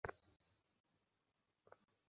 আমি সচরাচর যেটা পান করি এটা সেটার থেকে আলাদা।